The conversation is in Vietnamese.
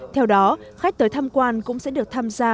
theo đó khách tới tham quan cũng sẽ được tham gia